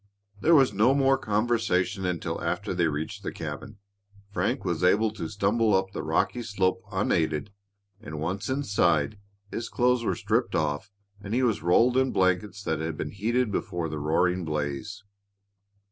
There was no more conversation until after they reached the cabin. Frank was able to stumble up the rocky slope unaided, and, once inside, his clothes were stripped off and he was rolled in blankets that had been heated before the roaring blaze.